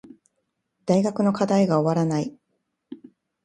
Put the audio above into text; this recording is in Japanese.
大学の課題が終わらない